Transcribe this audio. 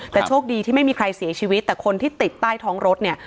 แต่โชคดีที่ไม่มีใครเสียชีวิตแต่คนที่ติดใต้ท้องรถเนี่ย